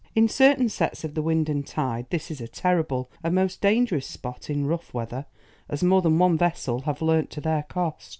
In certain sets of the wind and tide this is a terrible and most dangerous spot in rough weather, as more than one vessel have learnt to their cost.